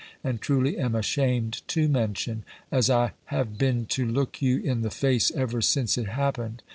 and truly am ashamed to mention, as I have been to looke you in the face ever since it happen'd.